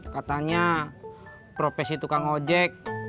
katanya profesi tukang ojek